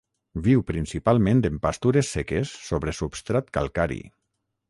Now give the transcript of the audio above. Viu principalment en pastures seques sobre substrat calcari.